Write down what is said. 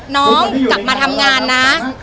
น้องกลับมาทำงานนะ